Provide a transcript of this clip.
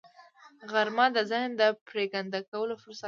غرمه د ذهن د پرېکنده کولو فرصت دی